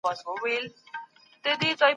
لبنیات.